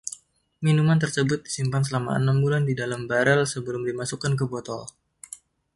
Minuman tersebut disimpan selama enam bulan di dalam barel sebelum dimasukkan ke botol.